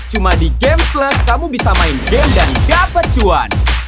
cuma di game plus kamu bisa main game dan dapat cuan